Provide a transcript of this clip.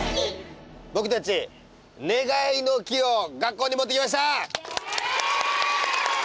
僕たち願いの木を学校に持ってきました！